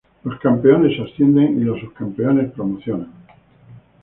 Los campeones ascienden y los subcampeones promocionan.